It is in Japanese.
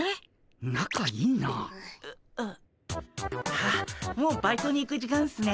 あっもうバイトに行く時間っすね。